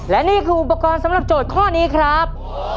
และนี่คืออุปกรณ์สำหรับโจทย์ข้อนี้ครับ